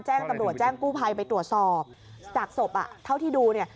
แจ้งตำรวจแจ้งกู้ภัยไปตรวจสอบจากศพอ่ะเท่าที่ดูเนี่ย